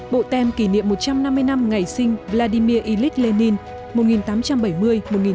bộ tem kỷ niệm một trăm năm mươi năm ngày sinh vladimir ilyich lenin một nghìn tám trăm bảy mươi một nghìn chín trăm bảy mươi